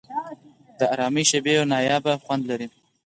د آرامۍ شېبې یو نایابه خوند لري.